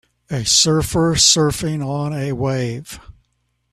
A surfer surfing on a wave.